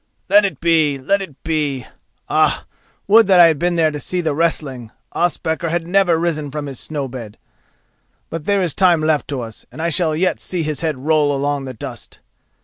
Let it be! Let it be! Ah, would that I had been there to see the wrestling—Ospakar had never risen from his snow bed. But there is time left to us, and I shall yet see his head roll along the dust.